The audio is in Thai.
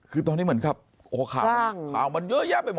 คือตอนนี้เหมือนกับโอ้โหข่าวมันเยอะแยะไปหมด